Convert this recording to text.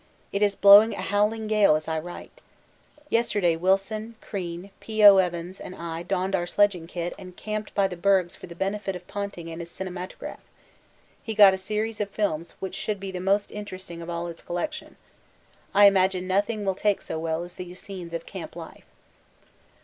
It is blowing a howling gale as I write. Yesterday Wilson, Crean, P.O. Evans, and I donned our sledging kit and camped by the bergs for the benefit of Ponting and his cinematograph; he got a series of films which should be about the most interesting of all his collection. I imagine nothing will take so well as these scenes of camp life.